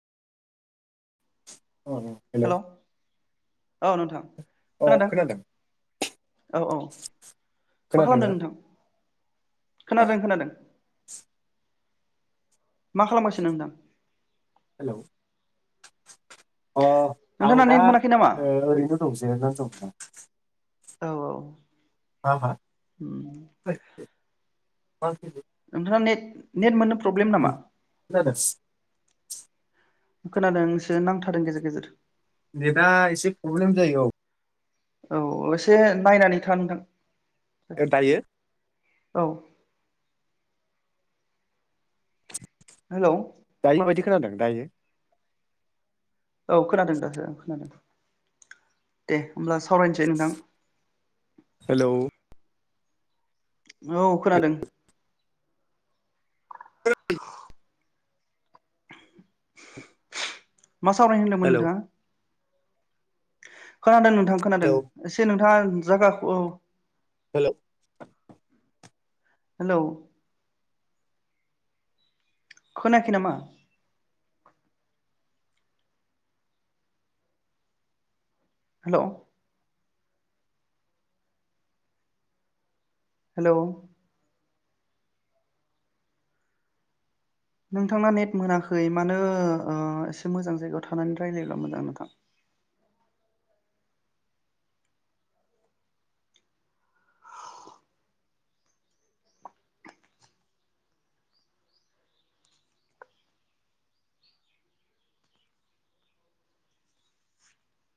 अ hello. औ नोंथां। खोनादों औ औ मा खोनादोंना खालामदों नोंथां? अ खोनादों खोनादों। मा खालामगासिनो‌ नोंथां? हेलौ अ आं नोंथाङा दा नेट मोनाखै नामा ओ ओरैनो दं जिरायना दं। [inaudible] औ औ। हा हा? [unintelligible] नोंथाङा नेट नेट मोननो प्रब्लेम नामा [unintelligible] खोनादोंसो नांथादों गेजेर गेजेर। नेटआ एसे प्रब्लेम जायो औ। औ एसे नायनानै था नोंथां। औ दायो औ। हेलौ। दायो माबायदि खोनादों दायो? औ खोनादों दासो ओं खोनादों दे होमब्ला सावरायनोसै नोंथां हेलौ औ हेलौ खोनादों। [unintelligible] [inaudible] मा सावरायनो होनदोंमोन हेलौ नोंथाङा? खोनादों नों थां खोनादों एसे नों जा-जागाखौ औ। हेलौ हेलौ खोनायाखै नामा? हेलौ। हेलौ। नोंथांना नेट मोनाखै मानो ओ एसे मोजां जायगायाव थानानै रायलायोब्ला मोजां नोंथां।